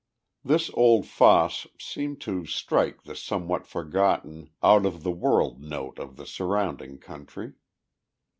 This old fosse seemed to strike the somewhat forgotten, out of the world note of the surrounding country.